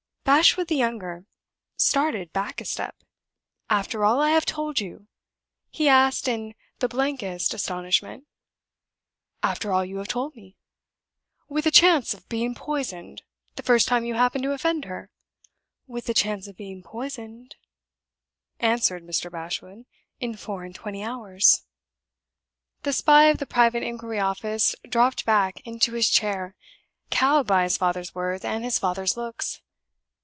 Bashwood the younger started back a step. "After all I have told you?" he asked, in the blankest astonishment. "After all you have told me." "With the chance of being poisoned, the first time you happened to offend her?" "With the chance of being poisoned," answered Mr. Bashwood, "in four and twenty hours." The Spy of the Private Inquiry Office dropped back into his chair, cowed by his father's words and his father's looks.